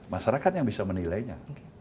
masyarakat yang bisa menilainya